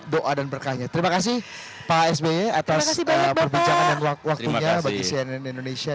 doa dan berkahnya terima kasih pak sby atas perbincangan dan waktunya bagi cnn indonesia